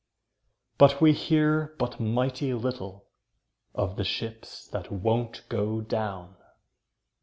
But we hear but mighty little Of the ships that won't go down.